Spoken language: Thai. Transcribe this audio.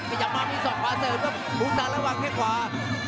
พยายามมาให้สองขวาเสริมครับอุ้งชาลระวังแข่งขวา